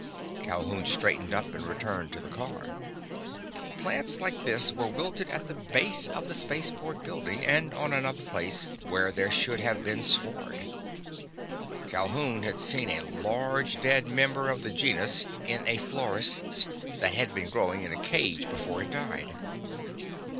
Calhoun straightened up and returned to the car. Plants like this were wilted at the base of the spaceport building, and on another place where there should have been sward. Calhoun had seen a large dead member of the genus in a florist's, that had been growing in a cage before it died.